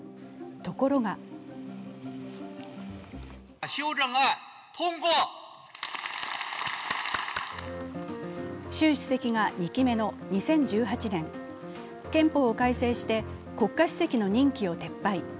ところが習主席が２期目の２０１８年、憲法を改正して国家主席の任期を撤廃。